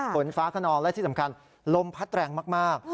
ฝนฟ้าขนองและที่สำคัญลมพัดแรงมาก